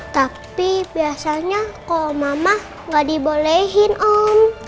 tapi biasanya kalau mama nggak dibolehin om